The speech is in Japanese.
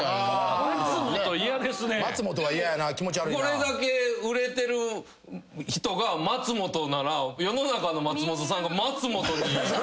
これだけ売れてる人が「まつもと」なら世の中の松本さんが「まつもと」に。